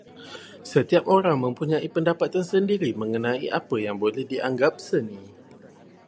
Setiap orang mempunyai pendapat tersendiri mengenai apa yang boleh dianggap seni.